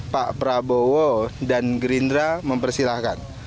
pak prabowo dan gerindra mempersilahkan